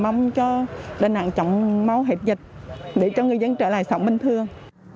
nói chung là mong cho đà nẵng chọn mẫu hiệp dịch để cho người dân trở lại sống bình thường